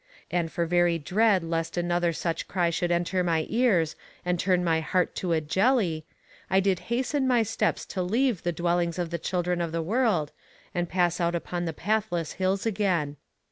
And for very dread lest yet another such cry should enter my ears, and turn my heart to a jelly, I did hasten my steps to leave the dwellings of the children of the world, and pass out upon the pathless hills again.